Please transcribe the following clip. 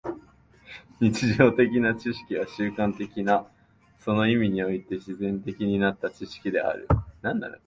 日常的な知識は習慣的な、その意味において自然的になった知識である。